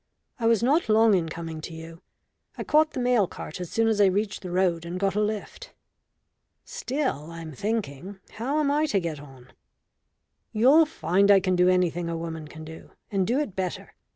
I was not long in coming to you. I caught the mail cart as soon as I reached the road, and got a lift." "Still, I'm thinking how am I to get on?" "You'll find I can do anything a woman can do, and do it better.